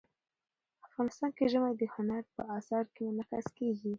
افغانستان کې ژمی د هنر په اثار کې منعکس کېږي.